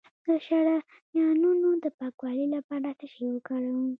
د شریانونو د پاکوالي لپاره څه شی وکاروم؟